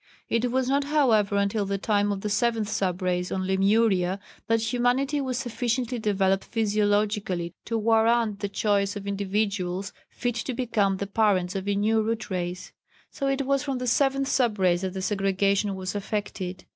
It was not, however, until the time of the seventh sub race on Lemuria that humanity was sufficiently developed physiologically to warrant the choice of individuals fit to become the parents of a new Root Race. So it was from the seventh sub race that the segregation was effected.